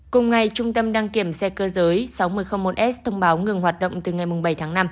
cùng ngày trung tâm đăng kiểm xe cơ giới sáu nghìn một s thông báo ngừng hoạt động từ ngày bảy tháng năm